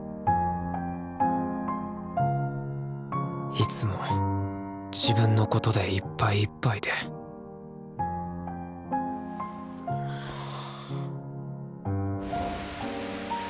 いつも自分のことでいっぱいいっぱいではぁ。